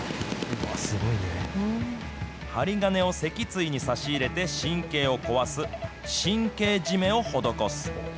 針金を脊椎に差し入れて神経を壊す神経締めを施す。